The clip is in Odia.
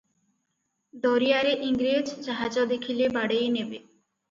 ଦରିଆରେ ଇଂରେଜ ଜାହାଜ ଦେଖିଲେ ବାଡ଼େଇ ନେବେ ।